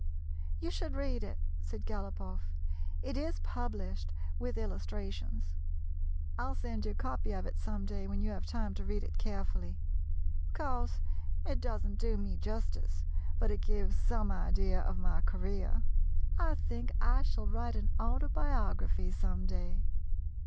"You should read it," said Galopoff. "It is published, with illustrations. I 'll send you a copy of it some day when you have time to read it carefully. Of course, it does n't do me justice, but it gives some idea of my career. I think I shall write an autobiography some day."